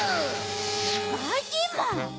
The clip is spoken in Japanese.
ばいきんまん！